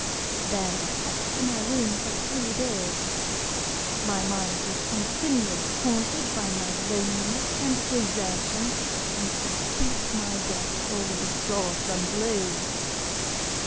There, I kept to my room for three days. My mind was continually haunted by my loneliness and desertion, and I beat my breast, already sore from blows.